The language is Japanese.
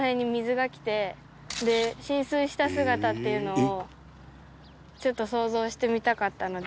浸水した姿っていうのをちょっと想像してみたかったので。